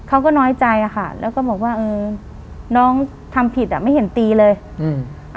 น้อยใจอ่ะค่ะแล้วก็บอกว่าเออน้องทำผิดอ่ะไม่เห็นตีเลยอืม